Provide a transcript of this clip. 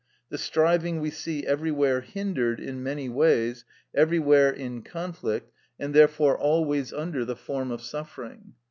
The striving we see everywhere hindered in many ways, everywhere in conflict, and therefore always under the form of suffering.